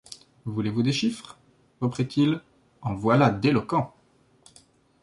Voulez-vous des chiffres? reprit-il, en voilà d’éloquents!